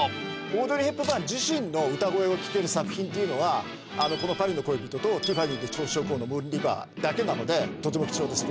オードリー・ヘプバーン自身の歌声を聴ける作品というのは、このパリの恋人と、ティファニーで朝食をのムーン・リバーだけなのでとても貴重です。